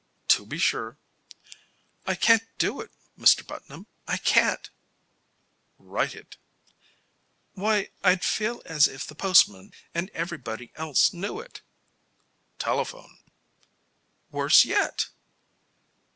"To be sure." "I can't do it, Mr. Putnam; I can't." "Write it." "Why, I'd feel as if the postman and everybody else knew it." "Telephone." "Worse yet."